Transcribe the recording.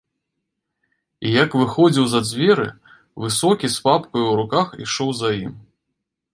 І як выходзіў за дзверы, высокі з папкаю ў руках ішоў за ім.